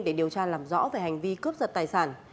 để điều tra làm rõ về hành vi cướp giật tài sản